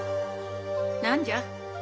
何じゃ？